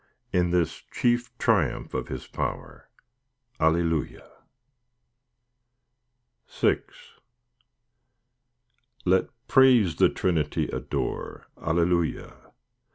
In this chief triumph of His power, Alleluia! VI Let praise the Trinity adore, Alleluia!